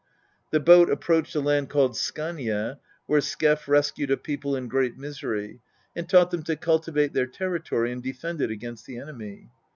The boat approached a land called Skania, where Skef rescued a people in great misery, and taught them to cultivate their territory and defend it against the enemy.